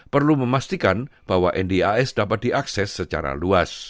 perlu memastikan bahwa ndis dapat diakses secara luas